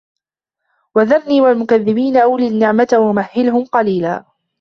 وَذَرني وَالمُكَذِّبينَ أُولِي النَّعمَةِ وَمَهِّلهُم قَليلًا